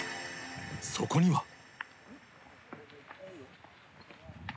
そこには。